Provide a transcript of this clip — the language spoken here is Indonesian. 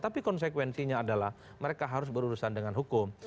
tapi konsekuensinya adalah mereka harus berurusan dengan hukum